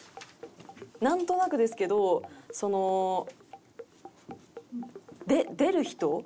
なんとなくですけどその出る人？